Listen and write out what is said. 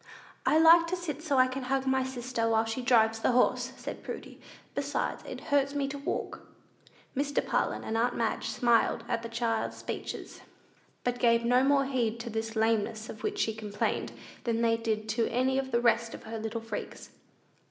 "I like to sit so I can hug my sister, while she drives the horse," said Prudy; "besides, it hurts me to walk." Mr. Parlin and aunt Madge smiled at the child's speeches, but gave no more heed to this lameness of which she complained, than they did to any of the rest of her little freaks.